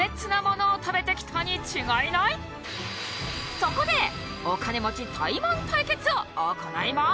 そこでお金持ちタイマン対決を行います